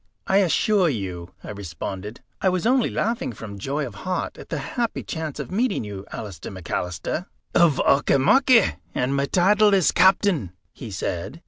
"I assure you," I responded, "I was only laughing from joy of heart at the happy chance of meeting you, Alister McAlister." "Of Auchimachie, and my title is Captain," he said.